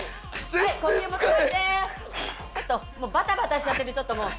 バタバタしちゃってるちょっともう。